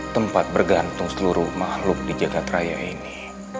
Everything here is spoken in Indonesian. tempat bergantung seluruh makhluk di jagad raya ini